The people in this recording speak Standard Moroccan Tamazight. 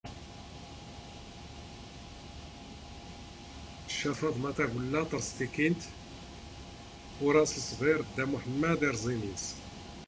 ⵜⵛⵛⴰ ⴼⴰⴹⵎⴰ ⵜⴰⴳⵯⵍⵍⴰ ⵜⵕⵥ ⵜⵉⴽⵉⵏⵜ, ⵓⵔ ⴰⵙ ⵉⵚⴱⵉⵕ ⴷⴷⴰ ⵎⵓⵃⵎⵎⴰⴷ ⵉⵕⵥ ⵉⵎⵉ ⵏⵏⵙ.